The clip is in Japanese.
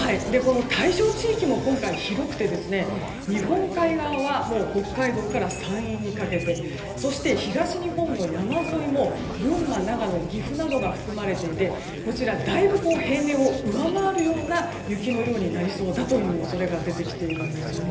対象地域も今回広くて日本海側は北海道から山陰にかけてそして東日本の山沿いも群馬、長野、岐阜などが含まれていてだいぶ平年を上回るような雪の量になりそうだという恐れが出てきているんですよね。